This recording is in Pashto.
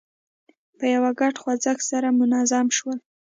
په یوه ګډ خوځښت کې سره منظم شول.